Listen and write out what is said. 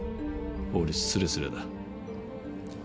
法律すれすれだ。